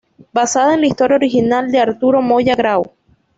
Basada en la historia original de Arturo Moya Grau.